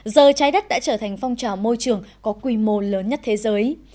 giờ trái đất đã trở thành phong trào môi trường có quy mô lớn nhất thế giới